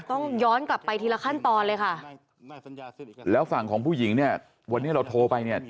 ต้องย้อนกลับไปทีละขั้นตอนเลยค่ะแล้วฝั่งของผู้หญิงเนี่ยวันนี้เราโทรไปเนี่ย